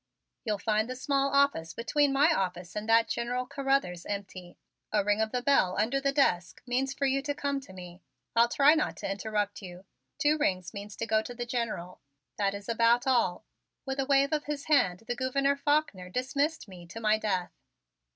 "You'll find the small office between my office and that of General Carruthers empty. A ring of the bell under the desk means for you to come to me. I'll try not to interrupt you. Two rings means to go to the General. That is about all." With a wave of his hand the Gouverneur Faulkner dismissed me to my death.